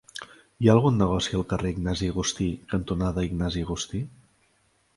Hi ha algun negoci al carrer Ignasi Agustí cantonada Ignasi Agustí?